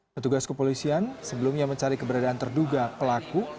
petugas kepolisian sebelumnya mencari keberadaan terduga pelaku